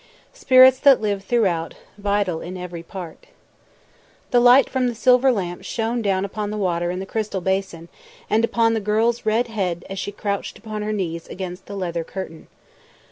"Spirits that live throughout Vital in every part. ..." MILTON. The light from the silver lamp shone down upon the water in the crystal basin and upon the girl's red head as she crouched upon her knees against the leather curtain.